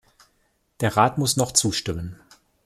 Der Rat muss noch zustimmen.